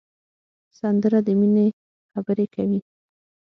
سندره د مینې خبرې کوي